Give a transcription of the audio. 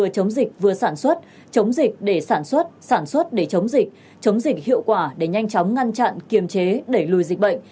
chống dịch hiệu quả để nhanh chóng ngăn chặn kiềm chế đẩy lùi dịch bệnh